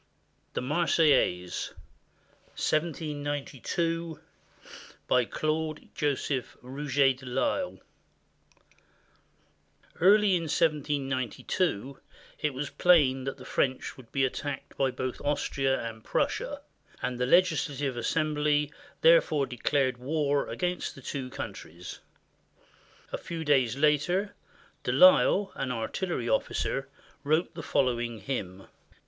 THE MARSEILLAISE BY CLAXJDE JOSEPH ROUGET DE LISLE [Early in 1792 it was plain that the French would be attacked by both Austria and Prussia, and the legislative assembly therefore declared war against the two countries. A few days later, De Lisle, an artillery officer, wrote the following hymn.